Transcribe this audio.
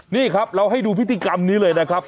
นี่ครับเราให้ดูพิธีกรรมนี้เลยนะครับ